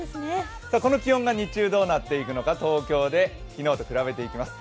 この気温が日中どうなっていくのか東京で昨日と比べていきます。